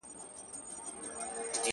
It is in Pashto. • وږی پاته سو زخمي په زړه نتلی,